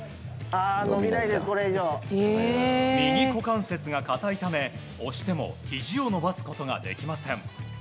右股関節が硬いため押してもひじを伸ばすことができません。